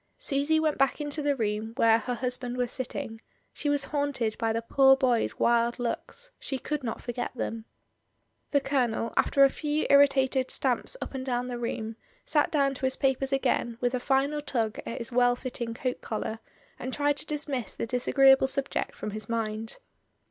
Susy went back into the room where her husband was sitting; she was haunted by the poor boy's wild looks, she could not forget them. The Colonel, after a few irritated stamps up and down the room, sat down to his papers again with a final tug at his well fitting coat collar, and tried to dismiss the disagreeable subject from his mind.